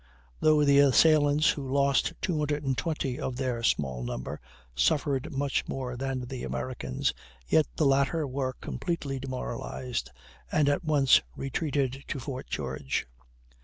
Though the assailants, who lost 220 of their small number, suffered much more than the Americans, yet the latter were completely demoralized, and at once retreated to Fort George.